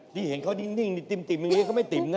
ที่เห็นเขานิ่งติ่มอย่างนี้เขาไม่ติ๋มนะ